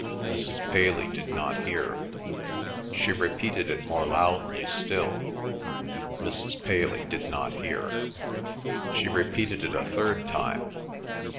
Mrs. Paley did not hear. She repeated it more loudly still. Mrs. Paley did not hear. She repeated it a third time. Mrs.